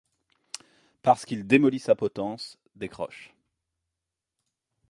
Parce qu’il démolit sa potence, décroche